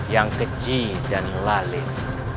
yang kecih dan lalik